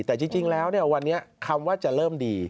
แต่จริงแล้ววันนี้คำว่าจะเริ่มดี